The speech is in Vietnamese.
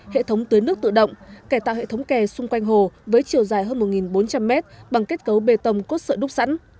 hệ thống tưới nước tự động cải tạo hệ thống kè xung quanh hồ với chiều dài hơn một bốn trăm linh mét bằng kết cấu bê tông cốt sợi đúc sẵn